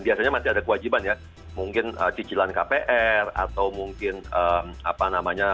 biasanya masih ada kewajiban ya mungkin cicilan kpr atau mungkin apa namanya